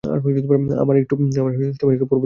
আমার একটু পরপরই ক্ষুধা লাগে।